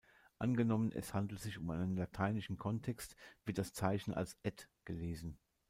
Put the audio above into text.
Angenommen, es handelt sich um einen lateinischen Kontext, wird das Zeichen als "„et“" gelesen.